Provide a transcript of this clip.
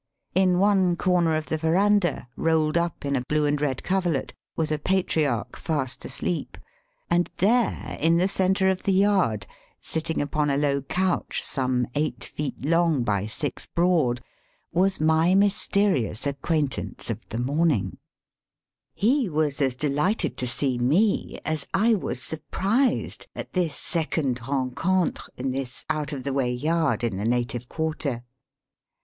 In one corner of the verandah, rolled up in a blue and red coverlet, was a patriarch fast asleep, and Digitized by VjOOQIC THE CAPITAL OF THE GBEAT MOGUL. 267 there in the centre of the yard, sitting upon a low couch some eight feet long by six broad, was my mysterious acquaintance of the morning. He was as deHghted to see me as I was surprised at this second rencontre, in this out of the way yard in the native quarter.